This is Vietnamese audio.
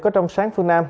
có trong sáng phương nam